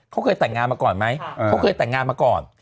เขาเคยแต่งงานมาก่อนไหมเขาเคยแต่งงานมาก่อน